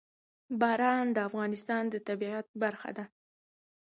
باران د افغانستان د طبیعت برخه ده.